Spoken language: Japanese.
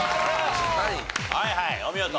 はいはいお見事。